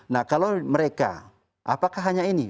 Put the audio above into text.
nah kalau mereka apakah hanya ini